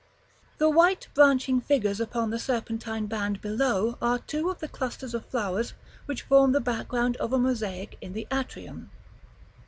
§ XVIII. The white branching figures upon the serpentine band below are two of the clusters of flowers which form the foreground of a mosaic in the atrium.